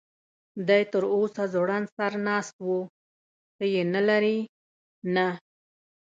دی تراوسه ځوړند سر ناست و، ته یې نه لرې؟ نه.